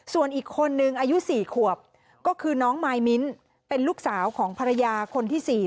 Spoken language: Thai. ส่วนอีกคนนึงอายุ๔ขวบก็คือน้องมายมิ้นเป็นลูกสาวของภรรยาคนที่๔